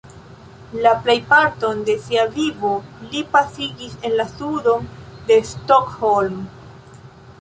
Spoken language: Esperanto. La plejparton de sia vivo li pasigis en la sudo de Stockholm.